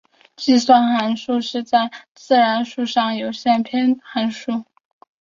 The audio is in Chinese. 计算函数是在自然数上的有限偏函数。